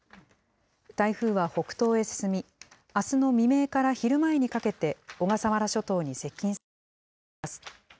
台風は北東へ進み、あすの未明から昼前にかけて、小笠原諸島に接近するおそれがあります。